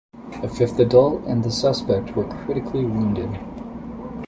A fifth adult and the suspect were critically wounded.